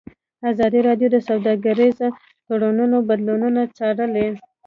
ازادي راډیو د سوداګریز تړونونه بدلونونه څارلي.